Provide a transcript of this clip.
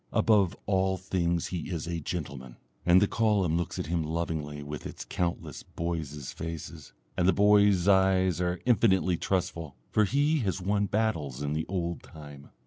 Above all things he is a gentleman. And the column looks at him lovingly with its countless boys' faces, and the boys' eyes are infinitely trustful, for he has won battles in the old time.